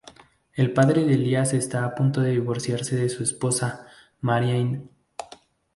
El padre de Elias está a punto de divorciarse de su esposa Marianne.